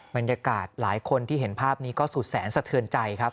บรรยากาศหลายคนที่เห็นภาพนี้ก็สุดแสนสะเทือนใจครับ